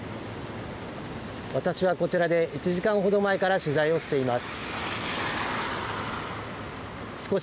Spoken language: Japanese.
私はこちらで１時間ほど前から取材をしています。